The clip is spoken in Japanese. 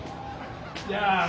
じゃあね。